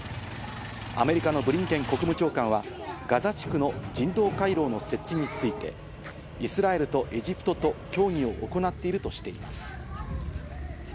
アメリカのブリンケン国務長官はガザ地区の人道回廊の設置について、イスラエルとエジプトと協議を行っているとしています。